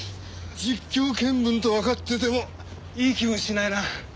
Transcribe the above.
実況見分とわかっててもいい気はしないな。